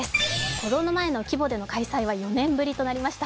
コロナ前の規模での開催は４年ぶりとなりました。